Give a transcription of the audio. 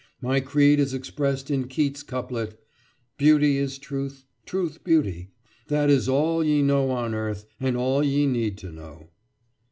My creed is expressed in Keats's couplet: Beauty is truth, truth beauty—that is all Ye know on earth, and all ye need to know.